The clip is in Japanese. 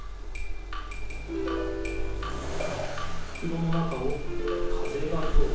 ふくろの中を風が通る。